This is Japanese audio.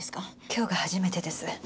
今日が初めてです。